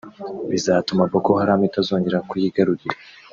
bizatuma Boko Haram itazongera kuyigarurira